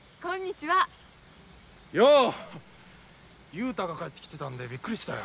雄太が帰ってきてたんでびっくりしたよ。